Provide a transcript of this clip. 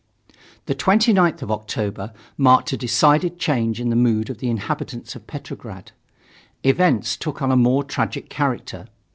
The 29th of October marked a decided change in the mood of the inhabitants of Petrograd. Events took on a more tragic character.